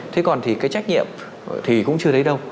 thế còn thì cái trách nhiệm thì cũng chưa thấy đâu